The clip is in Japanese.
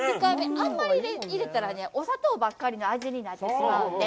あんまり入れたらお砂糖ばっかりの味になってしまうので。